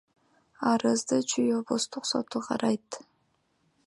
Арызды Чүй облустук соту карайт.